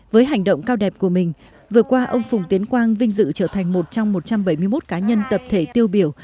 với hành động cao đẹp của mình vừa qua ông phùng tiến quang vinh dự trở thành một trong một trăm bảy mươi một cá nhân tập thể tiêu biểu